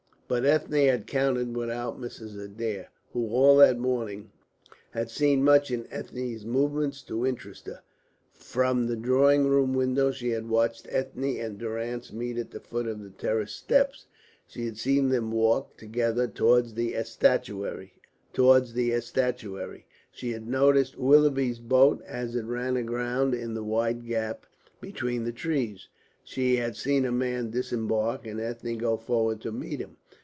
But Ethne had counted without Mrs. Adair, who all that morning had seen much in Ethne's movements to interest her. From the drawing room window she had watched Ethne and Durrance meet at the foot of the terrace steps, she had seen them walk together towards the estuary, she had noticed Willoughby's boat as it ran aground in the wide gap between the trees, she had seen a man disembark, and Ethne go forward to meet him.